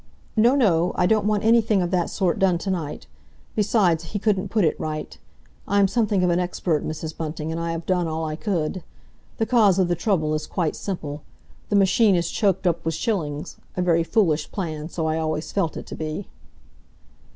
"No, no, I don't want anything of that sort done to night. Besides, he couldn't put it right. I am something of an expert, Mrs. Bunting, and I have done all I could. The cause of the trouble is quite simple. The machine is choked up with shillings; a very foolish plan, so I always felt it to be."